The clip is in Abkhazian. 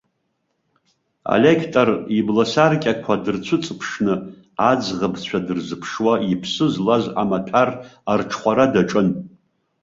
Алеқтор, ибласаркьақәа дырцәыҵԥшны, аӡӷабцәа дрызԥшуа, иԥсы злаз амаҭәар арҽхәара даҿын.